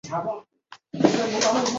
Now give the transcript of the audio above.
半边莲属桔梗科半边莲属。